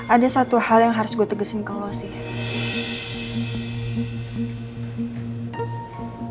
ada satu hal yang harus gue tegasin kalau sih